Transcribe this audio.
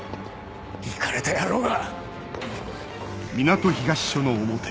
イカれた野郎が！